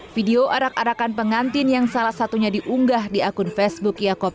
video arak arakan pengantin yang salah satunya diunggah di akun facebook yaakob